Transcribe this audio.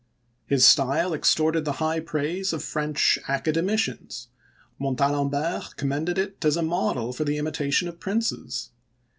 His style extorted the high praise of French Academicians ; Montalembert commended it as a model for the imitation of princes.